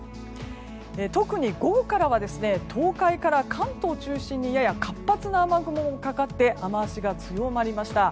特に午後からは東海から関東中心にやや活発な雨雲がかかって雨脚が強まりました。